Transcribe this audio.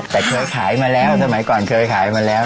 แต่เคยขายมาแล้วสมัยก่อนเคยขายมาแล้ว